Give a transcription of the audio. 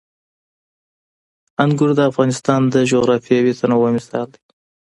انګور د افغانستان د جغرافیوي تنوع مثال دی.